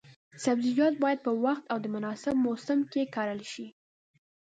سبزیجات باید په وخت او د مناسب موسم کې کرل شي.